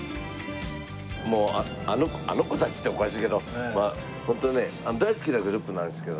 もうあの子「あの子たち」っておかしいけどホントね大好きなグループなんですけどね。